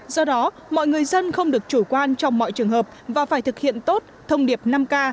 do đó mọi người dân không được chủ quan trong mọi trường hợp và phải thực hiện tốt thông điệp năm k